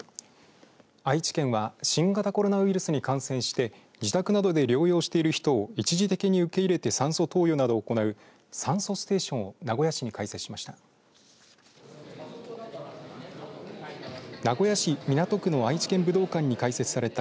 愛知県は新型コロナウイルスに感染して自宅などで療養している人を一時的に受け入れて酸素投与などを行う酸素ステーションを名古屋市に開設しました。